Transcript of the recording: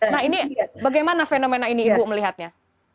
nah ini bagaimana fenomena ini ibu melihatnya